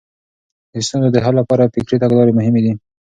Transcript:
د ستونزو د حل لپاره فکري تګلارې مهمې دي.